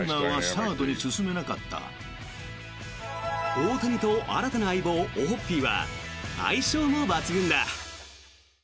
大谷と新たな相棒、オホッピーは相性も抜群だ。